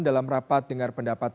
dalam rapat dengan pendapat